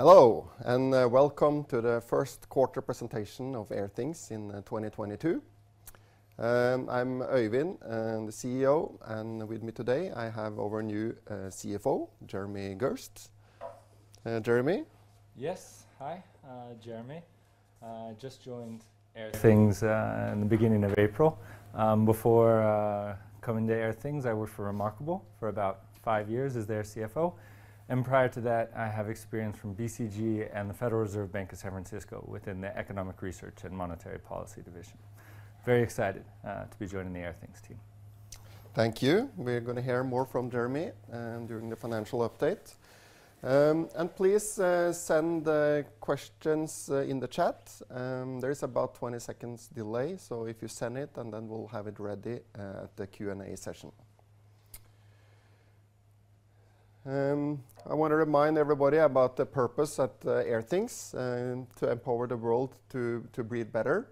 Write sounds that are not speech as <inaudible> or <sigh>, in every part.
Hello, welcome to the first quarter presentation of Airthings in 2022. I'm Øyvind, I'm the CEO, and with me today I have our new CFO, Jeremy Gerst. Jeremy? Yes. Hi. Jeremy. Just joined Airthings in the beginning of April. Before coming to Airthings, I worked for reMarkable for about five years as their CFO, and prior to that, I have experience from BCG and the Federal Reserve Bank of San Francisco within the Economic Research and Monetary Policy Division. Very excited to be joining the Airthings team. Thank you. We're gonna hear more from Jeremy during the financial update. Please send the questions in the chat. There is about 20 seconds delay, so if you send it and then we'll have it ready at the Q&A session. I wanna remind everybody about the purpose at Airthings to empower the world to breathe better.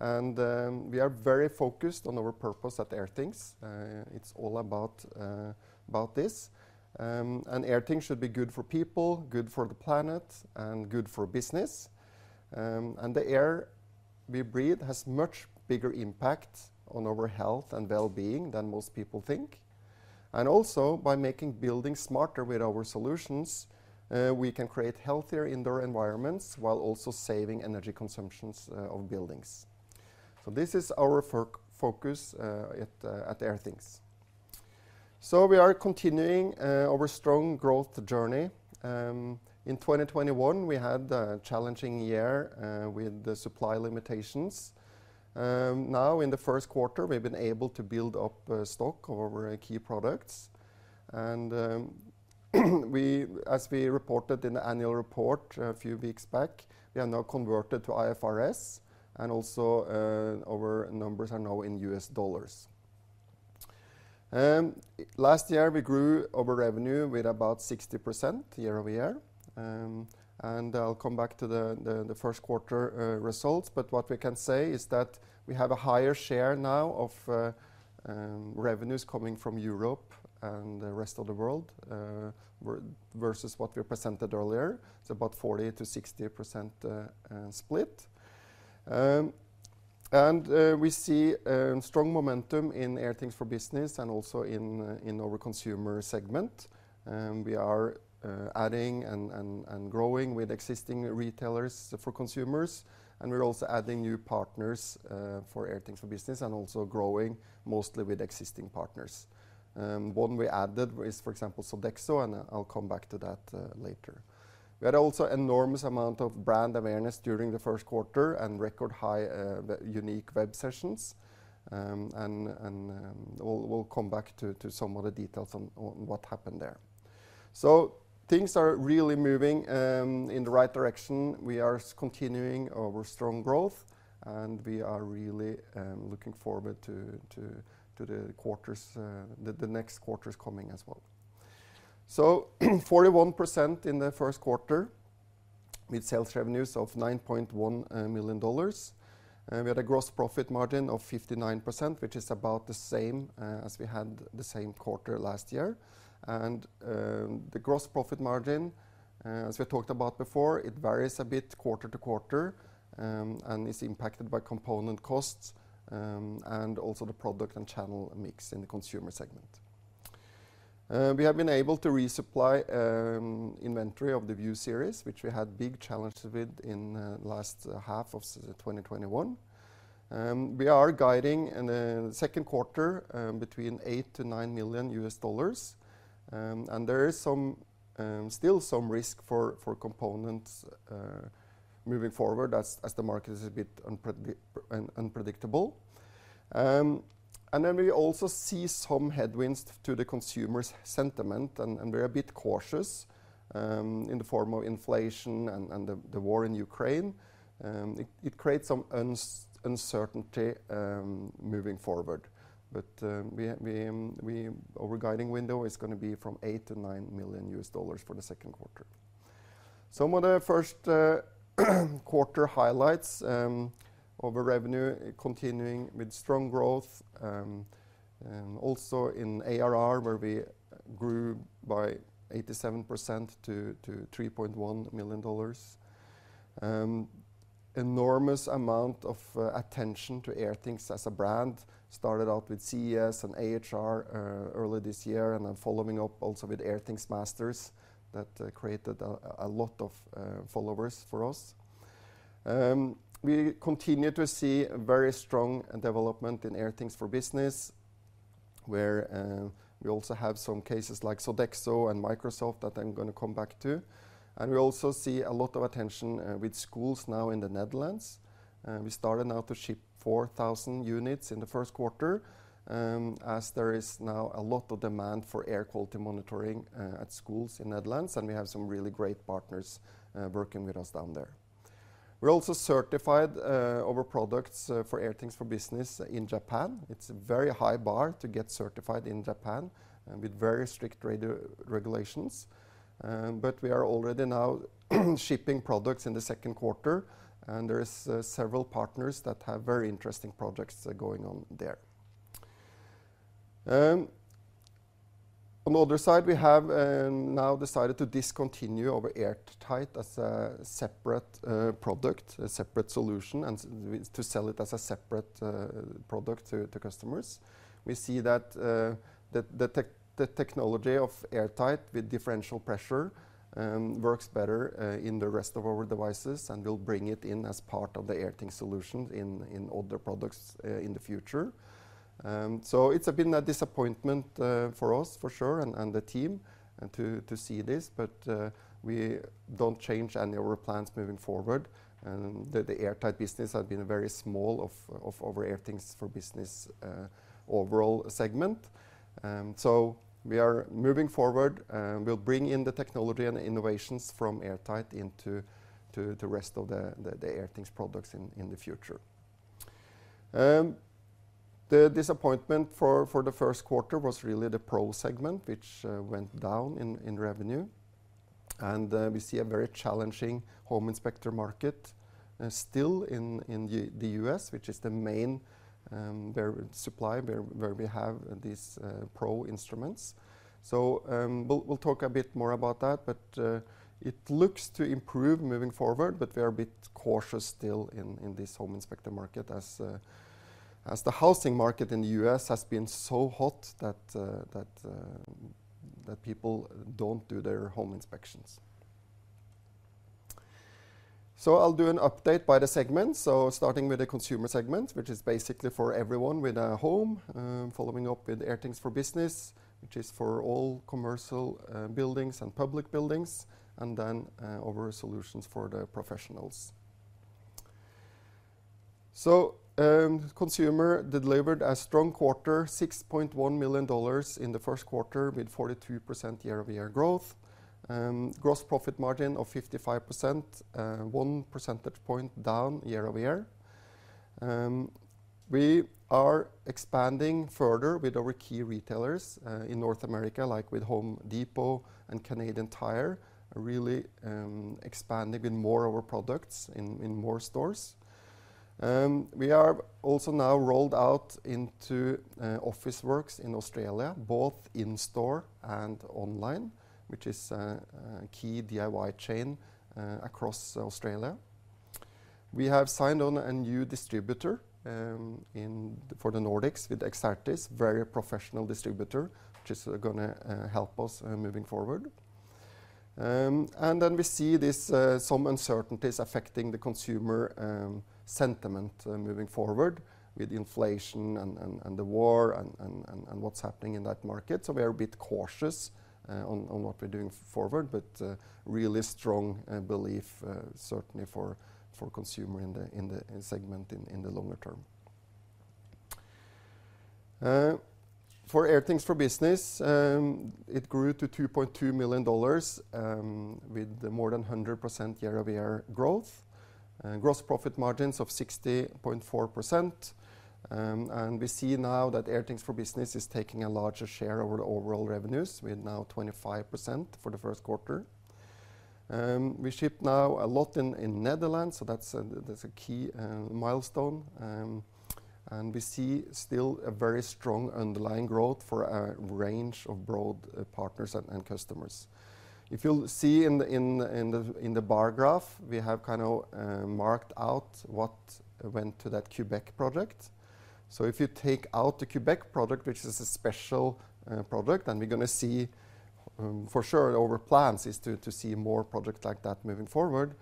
We are very focused on our purpose at Airthings. It's all about this. Airthings should be good for people, good for the planet, and good for business. The air we breathe has much bigger impact on our health and wellbeing than most people think. Also by making buildings smarter with our solutions, we can create healthier indoor environments while also saving energy consumptions of buildings. This is our focus at Airthings. We are continuing our strong growth journey. In 2021, we had a challenging year with the supply limitations. Now in the first quarter, we've been able to build up stock of our key products. As we reported in the annual report a few weeks back, we are now converted to IFRS, and also our numbers are now in U.S. dollars. Last year we grew our revenue with about 60% year-over-year. I'll come back to the first quarter results, but what we can say is that we have a higher share now of revenues coming from Europe and the rest of the world versus what we presented earlier. It's about 40%-60% split. We see strong momentum in Airthings for Business and also in our consumer segment. We are adding and growing with existing retailers for consumers, and we're also adding new partners for Airthings for Business, and also growing mostly with existing partners. One we added is, for example, Sodexo, and I'll come back to that later. We had also enormous amount of brand awareness during the first quarter and record high unique web sessions. We'll come back to some of the details on what happened there. Things are really moving in the right direction. We are continuing our strong growth, and we are really looking forward to the next quarters coming as well. 41% in the first quarter with sales revenues of $9.1 million. We had a gross profit margin of 59%, which is about the same as we had the same quarter last year. The gross profit margin, as we talked about before, it varies a bit quarter to quarter and is impacted by component costs and also the product and channel mix in the consumer segment. We have been able to resupply inventory of the View series, which we had big challenges with in last half of 2021. We are guiding in the second quarter between $8 to $9 million and there is still some risk for components moving forward as the market is a bit unpredictable. Then we also see some headwinds to the consumers' sentiment, and we're a bit cautious in the form of inflation and the war in Ukraine. It creates some uncertainty moving forward. Our guidance window is gonna be from $8 million to $9 million for the second quarter. Some of the first quarter highlights of our revenue continuing with strong growth, and also in ARR, where we grew by 87% to $3.1 million. Enormous amount of attention to Airthings as a brand. Started out with CES and AHR early this year, and then following up also with Airthings Masters that created a lot of followers for us. We continue to see very strong development in Airthings for Business, where we also have some cases like Sodexo and Microsoft that I'm gonna come back to. We also see a lot of attention with schools now in the Netherlands. We started now to ship 4,000 units in the first quarter, as there is now a lot of demand for air quality monitoring at schools in the Netherlands, and we have some really great partners working with us down there. We also certified our products for Airthings for Business in Japan. It's a very high bar to get certified in Japan, with very strict regulations. We are already now shipping products in the second quarter, and there is several partners that have very interesting projects going on there. On the other side, we have now decided to discontinue our AirThight as a separate product, a separate solution, and to sell it as a separate product to customers. We see that the technology of AirThight with differential pressure works better in the rest of our devices, and we'll bring it in as part of the Airthings solutions in other products in the future. It's been a disappointment for us for sure and the team and to see this, but we don't change any of our plans moving forward. The AirThight business has been very small of our Airthings for Business overall segment. We are moving forward. We'll bring in the technology and innovations from AirThight into the rest of the Airthings products in the future. The disappointment for the first quarter was really the Pro segment, which went down in revenue. We see a very challenging home inspector market still in the U.S., which is the main where we supply, where we have these Pro instruments. We'll talk a bit more about that, but it looks to improve moving forward, but we are a bit cautious still in this home inspector market as the housing market in the U.S. has been so hot that people don't do their home inspections. I'll do an update by the segment. Starting with the consumer segment, which is basically for everyone with a home, following up with Airthings for Business, which is for all commercial buildings and public buildings, and then our solutions for the professionals. Consumer delivered a strong quarter, $6.1 million in the first quarter with 42% year-over-year growth. Gross profit margin of 55%, 1% point down year-over-year. We are expanding further with our key retailers in North America, like with Home Depot and Canadian Tire, really expanding with more of our products in more stores. We are also now rolled out into Officeworks in Australia, both in store and online, which is a key DIY chain across Australia. We have signed on a new distributor for the Nordics with Exertis, very professional distributor, which is gonna help us moving forward. We see this some uncertainties affecting the consumer sentiment moving forward with inflation and the war and what's happening in that market. We are a bit cautious on what we're doing forward, but really strong belief certainly for consumer in the segment in the longer term. For Airthings for Business, it grew to $2.2 million with more than 100% year-over-year growth. Gross profit margins of 60.4%. We see now that Airthings for Business is taking a larger share of our overall revenues. We're now 25% for the first quarter. We ship now a lot in Netherlands, so that's a key milestone. We see still a very strong underlying growth for a range of broad partners and customers. If you'll see in the bar graph, we have kind of marked out what went to that Quebec project. If you take out the Quebec project, which is a special project, and we're gonna see for sure our plans is to see more projects like that moving forward.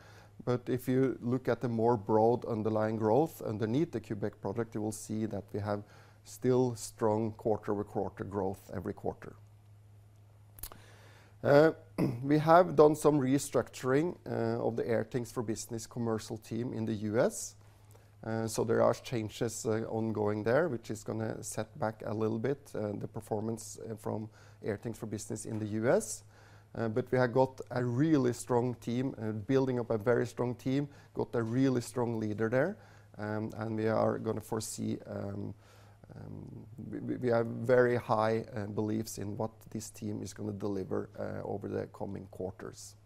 If you look at the more broad underlying growth underneath the Quebec project, you will see that we have still strong quarter-over-quarter growth every quarter. We have done some restructuring of the Airthings for Business commercial team in the U.S. So there are changes ongoing there, which is gonna set back a little bit the performance from Airthings for Business in the U.S. We have got a really strong team, building up a very strong team, got a really strong leader there. We have very high beliefs in what this team is gonna deliver over the coming quarters.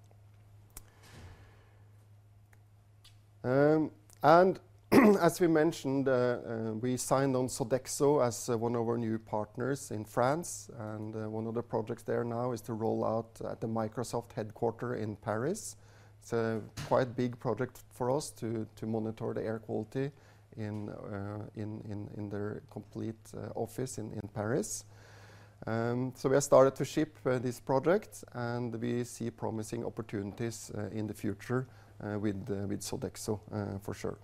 As we mentioned, we signed on Sodexo as one of our new partners in France, and one of the projects there now is to roll out the Microsoft headquarters in Paris. It's a quite big project for us to monitor the air quality in their complete office in Paris. We have started to ship this project, and we see promising opportunities in the future with Sodexo for sure.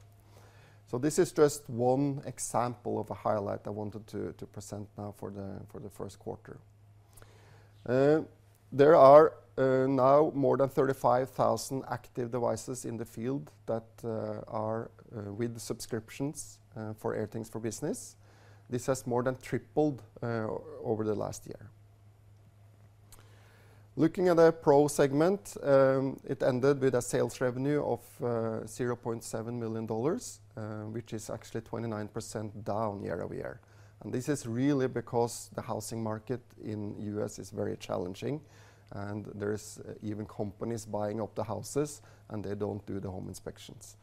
This is just one example of a highlight I wanted to present now for the first quarter. There are now more than 35,000 active devices in the field that are with subscriptions for Airthings for Business. This has more than tripled over the last year. Looking at the Pro segment, it ended with a sales revenue of $0.7 million, which is actually 29% down year-over-year. This is really because the housing market in U.S. is very challenging, and there is even companies buying up the houses, and they don't do the home inspections.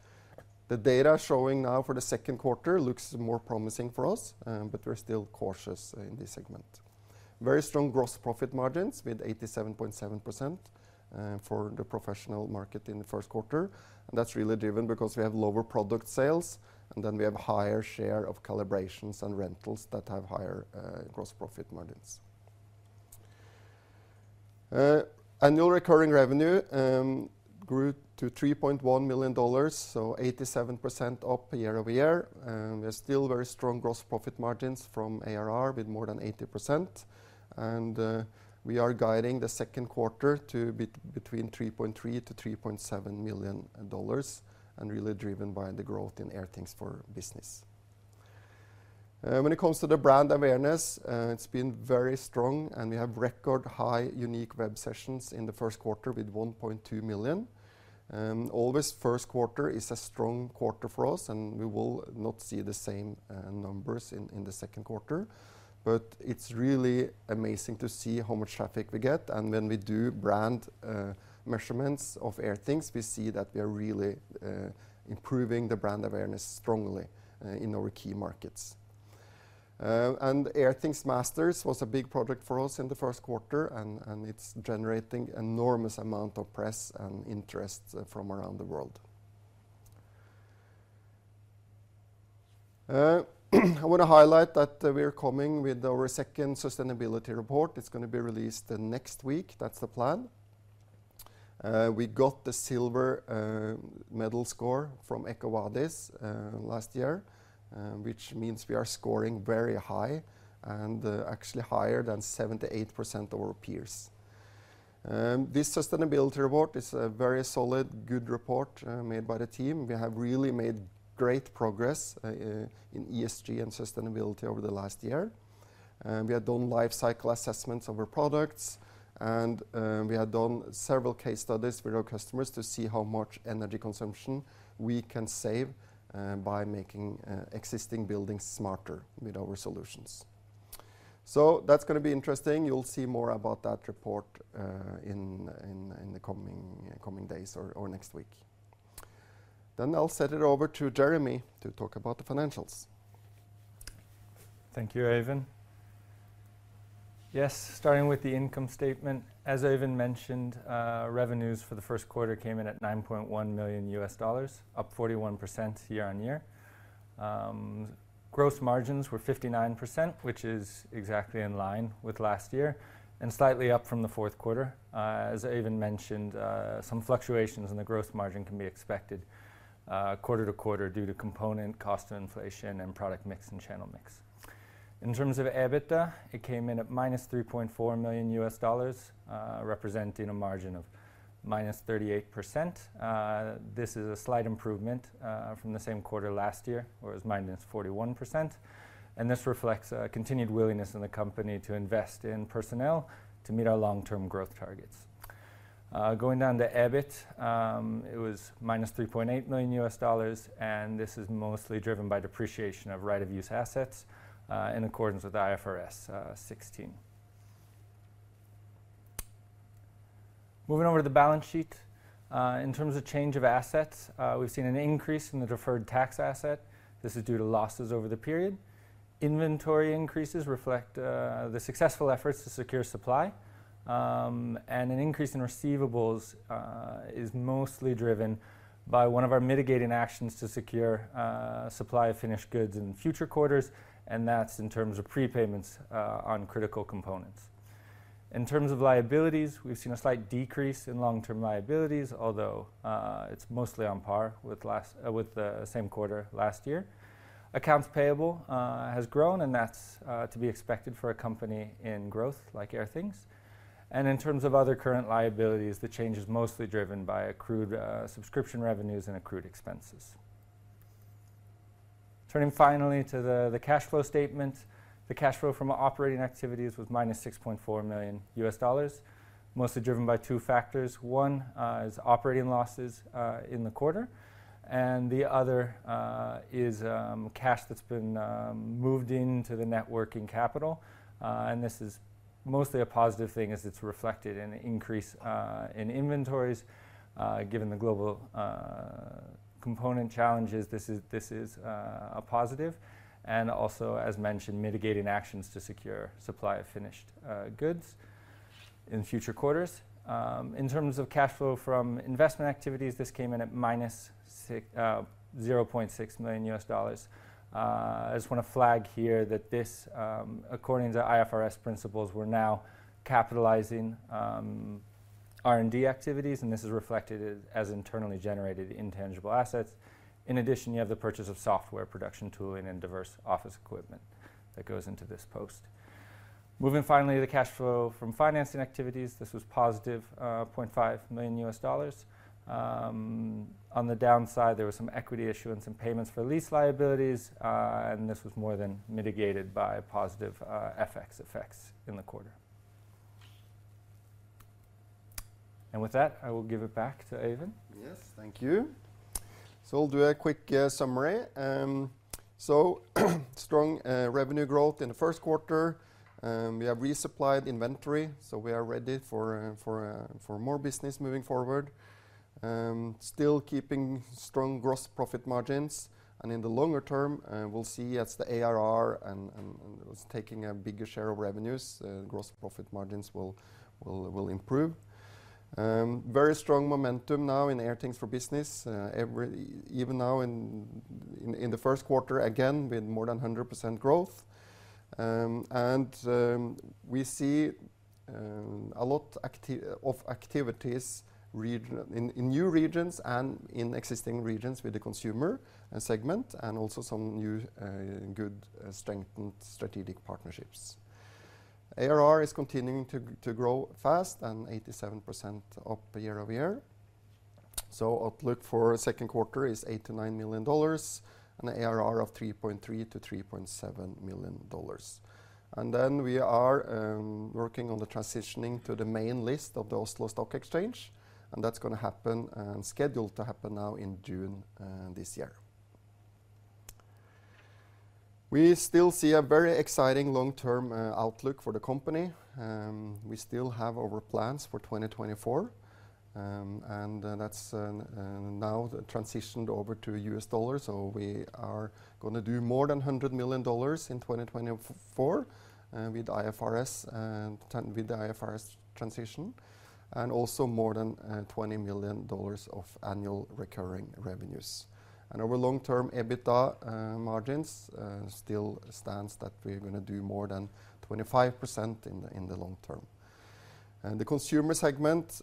The data showing now for the second quarter looks more promising for us, but we're still cautious in this segment. Very strong gross profit margins with 87.7% for the professional market in the first quarter. That's really driven because we have lower product sales, and then we have higher share of calibrations and rentals that have higher gross profit margins. Annual recurring revenue grew to $3.1 million, so 87% up year-over-year. There's still very strong gross profit margins from ARR with more than 80%. We are guiding the second quarter to be between $3.3 million to $3.7 million and really driven by the growth in Airthings for Business. When it comes to the brand awareness, it's been very strong, and we have record high unique web sessions in the first quarter with 1.2 million. As always, first quarter is a strong quarter for us, and we will not see the same numbers in the second quarter. It's really amazing to see how much traffic we get. When we do brand measurements of Airthings, we see that we are really improving the brand awareness strongly in our key markets. Airthings Masters was a big project for us in the first quarter, and it's generating enormous amount of press and interest from around the world. I want to highlight that we're coming with our second sustainability report. It's gonna be released next week. That's the plan. We got the silver medal score from EcoVadis last year, which means we are scoring very high and actually higher than 78% of our peers. This sustainability report is a very solid, good report, made by the team. We have really made great progress in ESG and sustainability over the last year. We have done life cycle assessments of our products, and we have done several case studies with our customers to see how much energy consumption we can save by making existing buildings smarter with our solutions. That's gonna be interesting. You'll see more about that report in the coming days or next week. I'll send it over to Jeremy to talk about the financials. Thank you, Øyvind. Yes, starting with the income statement, as Øyvind mentioned, revenues for the first quarter came in at $9.1 million, up 41% year-over-year. Gross margins were 59%, which is exactly in line with last year and slightly up from the fourth quarter. As Øyvind mentioned, some fluctuations in the gross margin can be expected, quarter-to-quarter due to component cost inflation and product mix and channel mix. In terms of EBITDA, it came in at -$3.4 million, representing a margin of -38%. This is a slight improvement, from the same quarter last year. It was -41%, and this reflects a continued willingness in the company to invest in personnel to meet our long-term growth targets. Going down to EBIT, it was -$3.8 million, and this is mostly driven by depreciation of right of use assets in accordance with IFRS 16. Moving over to the balance sheet, in terms of change of assets, we've seen an increase in the deferred tax asset. This is due to losses over the period. Inventory increases reflect the successful efforts to secure supply, and an increase in receivables is mostly driven by one of our mitigating actions to secure supply of finished goods in future quarters, and that's in terms of prepayments on critical components. In terms of liabilities, we've seen a slight decrease in long-term liabilities, although it's mostly on par with the same quarter last year. Accounts payable has grown, and that's to be expected for a company in growth like Airthings. In terms of other current liabilities, the change is mostly driven by accrued subscription revenues and accrued expenses. Turning finally to the cash flow statement. The cash flow from operating activities was -$6.4 million, mostly driven by two factors. One is operating losses in the quarter, and the other is cash that's been moved into the net working capital. This is mostly a positive thing as it's reflected in the increase in inventories. Given the global component challenges, this is a positive and also, as mentioned, mitigating actions to secure supply of finished goods in future quarters. In terms of cash flow from investment activities, this came in at -$0.6 million. I just want to flag here that this, according to IFRS principles, we're now capitalizing R&D activities, and this is reflected as internally generated intangible assets. In addition, you have the purchase of software, production tooling, and diverse office equipment that goes into this post. Moving finally to the cash flow from financing activities, this was positive $0.5 million. On the downside, there was some equity issuance and payments for lease liabilities, and this was more than mitigated by positive FX effects in the quarter. With that, I will give it back to Øyvind. Yes. Thank you. We'll do a quick summary. Strong revenue growth in the first quarter. We have resupplied inventory, so we are ready for more business moving forward. Still keeping strong gross profit margins, and in the longer term, we'll see as the ARR is taking a bigger share of revenues. Gross profit margins will improve. Very strong momentum now in Airthings for Business. Even now in the first quarter, again, we had more than 100% growth. We see a lot of activities in new regions and in existing regions with the consumer segment, and also some new good strengthened strategic partnerships. ARR is continuing to grow fast and 87% up year-over-year. Outlook for second quarter is $8 million-$9 million and ARR of $3.3 million-$3.7 million. Then we are working on the transitioning to the main list of the Oslo Stock Exchange, and that's gonna happen, scheduled to happen now in June, this year. We still see a very exciting long-term outlook for the company. We still have our plans for 2024, and that's now transitioned over to U.S. dollars, so we are gonna do more than $100 million in 2024, with IFRS 16 and the IFRS transition, and also more than $20 million of annual recurring revenues. Our long-term EBITDA margins still stands that we're gonna do more than 25% in the long term. In the consumer segment,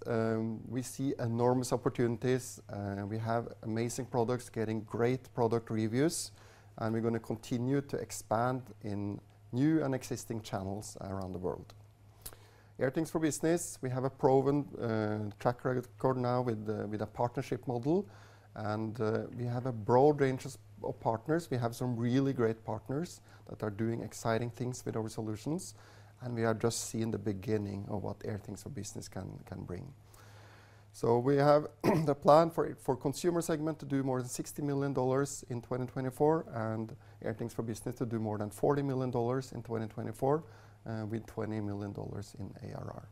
we see enormous opportunities. We have amazing products getting great product reviews, and we're gonna continue to expand in new and existing channels around the world. Airthings for Business, we have a proven track record now with the partnership model, and we have a broad range of partners. We have some really great partners that are doing exciting things with our solutions, and we are just seeing the beginning of what Airthings for Business can bring. We have the plan for consumer segment to do more than $60 million in 2024 and Airthings for Business to do more than $40 million in 2024, with $20 million in ARR.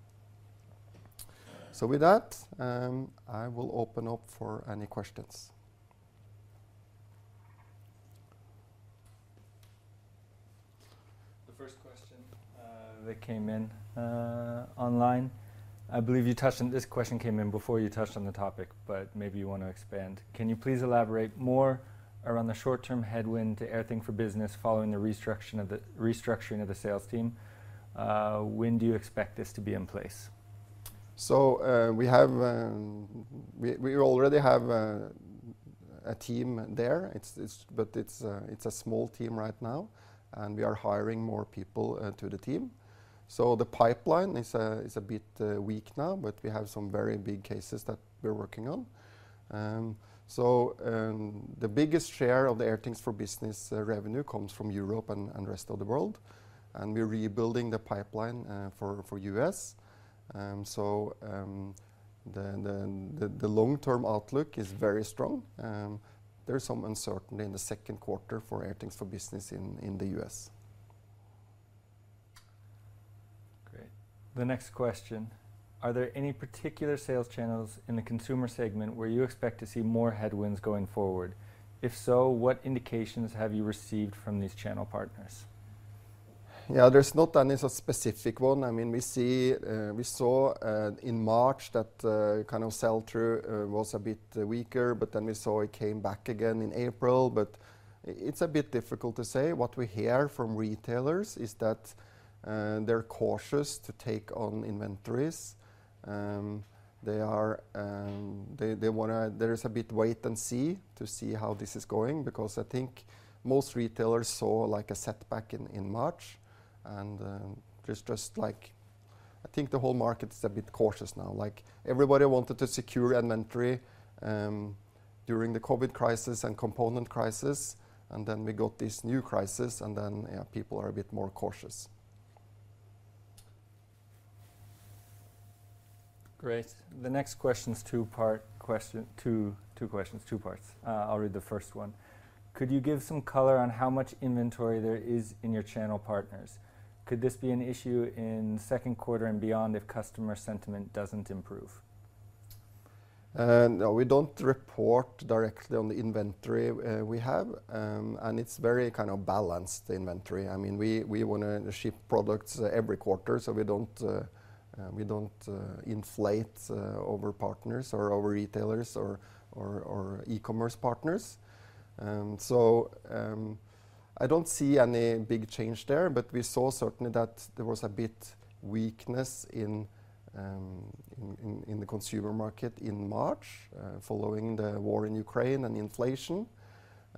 With that, I will open up for any questions. The first question that came in online, I believe you touched on this question came in before you touched on the topic, but maybe you want to expand. Can you please elaborate more around the short-term headwind to Airthings for Business following the restructuring of the sales team? When do you expect this to be in place? We already have a team there. It's a small team right now, and we are hiring more people to the team. The pipeline is a bit weak now, but we have some very big cases that we're working on. The biggest share of the Airthings for Business revenue comes from Europe and rest of the world, and we're rebuilding the pipeline for U.S. The long-term outlook is very strong. There's some uncertainty in the second quarter for Airthings for Business in the U.S. Great. The next question: Are there any particular sales channels in the consumer segment where you expect to see more headwinds going forward? If so, what indications have you received from these channel partners? Yeah. There's not any specific one. I mean, we saw in March that kind of sell through was a bit weaker, but then we saw it came back again in April. It's a bit difficult to say. What we hear from retailers is that they're cautious to take on inventories. They want to wait and see how this is going because I think most retailers saw like a setback in March and I think the whole market's a bit cautious now. Like, everybody wanted to secure inventory during the COVID crisis and component crisis, and then we got this new crisis, and then yeah, people are a bit more cautious. Great. The next question's two-part question. Two questions, two parts. I'll read the first one. Could you give some color on how much inventory there is in your channel partners? Could this be an issue in second quarter and beyond if customer sentiment doesn't improve? No, we don't report directly on the inventory we have. It's very kind of balanced inventory. I mean, we wanna ship products every quarter, so we don't inflate our partners or our retailers or e-commerce partners. I don't see any big change there, but we saw certainly that there was a bit weakness in the consumer market in March following the war in Ukraine and inflation.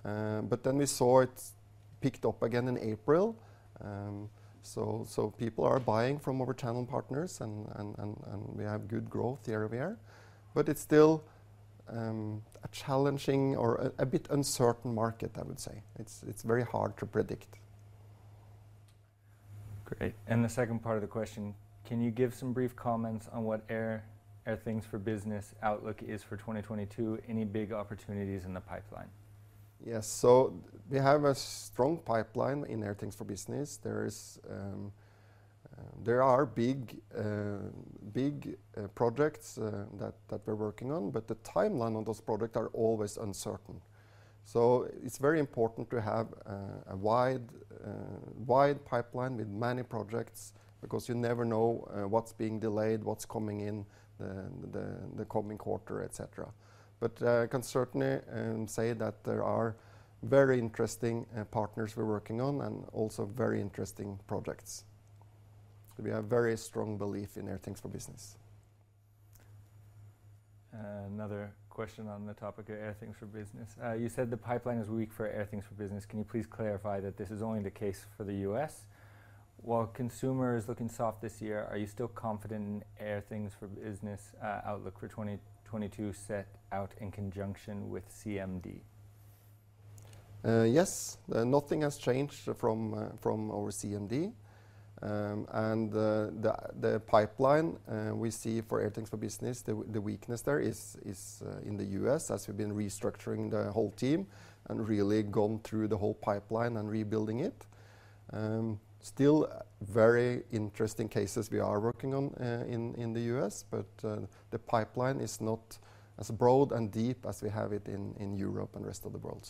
We saw it picked up again in April. People are buying from our channel partners and we have good growth year-over-year. But it's still a challenging or a bit uncertain market, I would say. It's very hard to predict. Great. The second part of the question: can you give some brief comments on what Airthings for Business outlook is for 2022? Any big opportunities in the pipeline? Yes. We have a strong pipeline in Airthings for Business. There are big projects that we're working on, but the timeline on those products are always uncertain. It's very important to have a wide pipeline with many projects because you never know what's being delayed, what's coming in the coming quarter, et cetera. But I can certainly say that there are very interesting partners we're working on and also very interesting projects. We have very strong belief in Airthings for Business. Another question on the topic of Airthings for Business. You said the pipeline is weak for Airthings for Business. Can you please clarify that this is only the case for the U.S.? While consumer is looking soft this year, are you still confident in Airthings for Business outlook for 2022 set out in conjunction with CMD? Yes. Nothing has changed from our CMD. The pipeline we see for Airthings for Business, the weakness there is in the U.S. as we've been restructuring the whole team and really gone through the whole pipeline and rebuilding it. Still very interesting cases we are working on in the U.S., but the pipeline is not as broad and deep as we have it in Europe and rest of the world.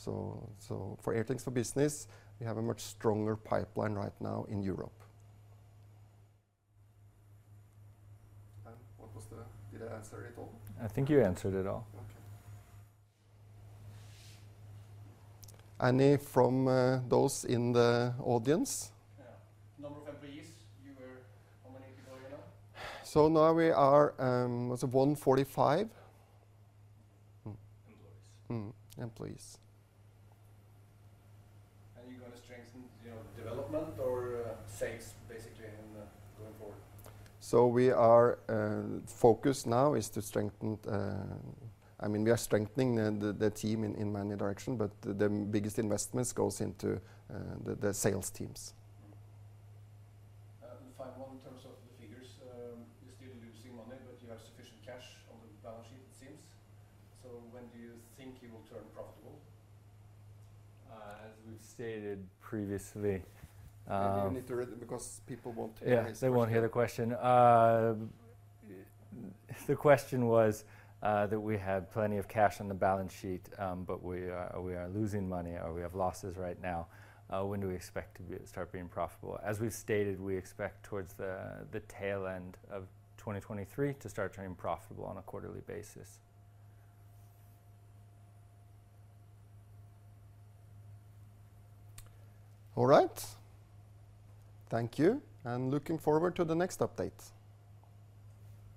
For Airthings for Business, we have a much stronger pipeline right now in Europe. What was that? Did I answer it all? I think you answered it all. Okay. Any from those in the audience? Yeah. Number of employees. How many people are you now? Now we are 145. Employees. <audio distortion> Employees. Are you gonna strengthen, you know, development or sales basically going forward? I mean, we are strengthening the team in many direction, but the biggest investments goes into the sales teams. The final one in terms of the figures. You're still losing money, but you have sufficient cash on the balance sheet it seems. When do you think you will turn profitable? As we've stated previously. You need to read it because people won't hear his question. Yeah, they won't hear the question. The question was that we have plenty of cash on the balance sheet, but we are losing money or we have losses right now. When do we expect to start being profitable? As we've stated, we expect towards the tail end of 2023 to start turning profitable on a quarterly basis. All right. Thank you, and looking forward to the next update.